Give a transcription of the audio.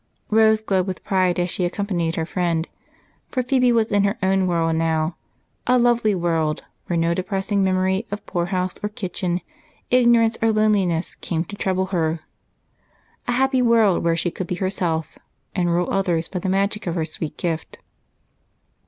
Rose glowed with pride as she accompanied her friend, for Phebe was in her own world now a lovely world where no depressing memory of poorhouse or kitchen, ignorance or loneliness, came to trouble her, a happy world where she could be herself and rule others by the magic of her sweet gift.